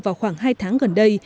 vào khoảng hai tháng gần đây